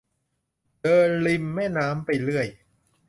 เดินริมแม่น้ำไปเรื่อย